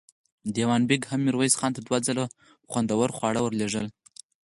دېوان بېګ هم ميرويس خان ته دوه ځله خوندور خواړه ور لېږل.